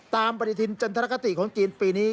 ตามปฏิฐินจันทรกษาติของจีนปีนี้